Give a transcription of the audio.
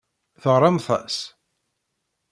Teɣramt-as?